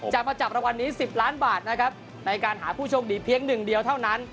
จะมาจับรางวัลนี้๑๐ล้านบาทในการหาผู้โชคดีเพียง๑เท่านั้น